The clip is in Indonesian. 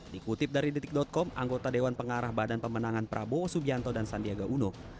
dikutip dari detik com anggota dewan pengarah badan pemenangan prabowo subianto dan sandiaga uno